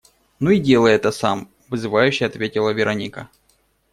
«Ну и делай это сам», - вызывающе ответила Вероника.